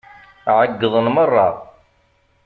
Ɛeyyḍen meṛṛa.